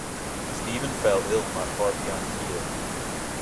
Stephen fell ill not far beyond Kiev.